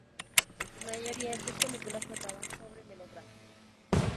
En su mayoría, estas películas trataban sobre melodramas.